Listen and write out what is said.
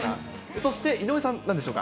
そして、井上さん、なんでしょうか。